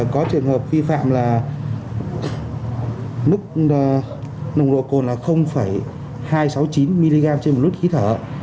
có trường hợp vi phạm là mức nồng độ cồn là hai trăm sáu mươi chín mg trên một lít khí thở